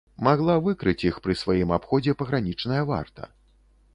Магла выкрыць іх пры сваім абходзе пагранічная варта.